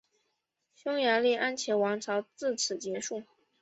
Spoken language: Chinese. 匈牙利安茄王朝自此结束。